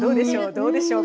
どうでしょう？